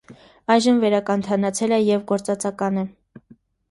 Այժմ վերակենդանացել է և գործածական է։